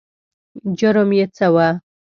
جرم یې څه و؟